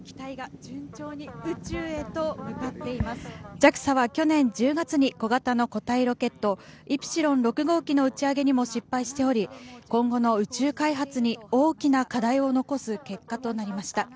ＪＡＸＡは去年１０月に小型の固体ロケット、イプシロン６号機の打ち上げにも失敗しており、今後の宇宙開発に大きな課題を残す結果となりました。